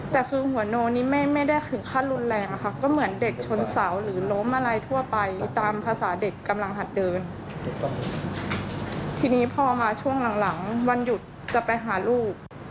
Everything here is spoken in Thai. ตอนนี้พ่อมาช่วงหลังวันหยุดจะไปหาลูก